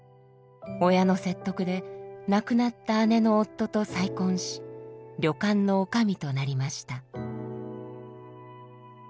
親の説得で亡くなった姉の夫と再婚し旅館のおかみとなりました。